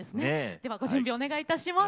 ではご準備お願いいたします。